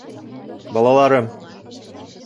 Балаларым!